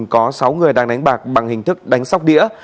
có sáu người đang đánh bạc bằng hình thức đánh sóc đĩa